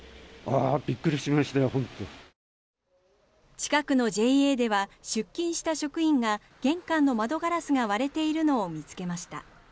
近くのＪＡでは出勤した職員が玄関の窓ガラスが割れているのを見つけました。